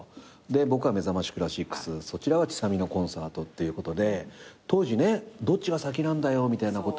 僕はめざましクラシックスそちらはチサミノコンサートっていうことで当時ねどっちが先なんだよみたいなことで。